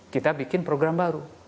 kita bikin program baru